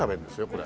これ。